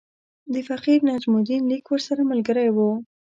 د فقیر نجم الدین لیک ورسره ملګری وو.